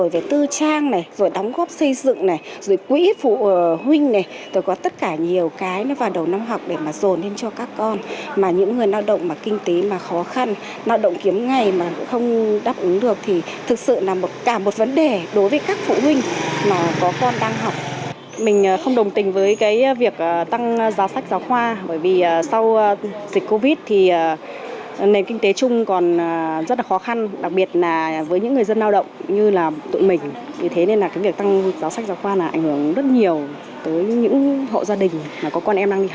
vì thế nên là cái việc tăng giáo sách giáo khoa là ảnh hưởng rất nhiều tới những hộ gia đình mà có con em đang đi học